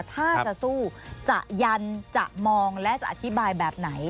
ถ้าจะสู้จะยันจะมองและจะอธิบายแบบไหน